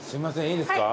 いいですか？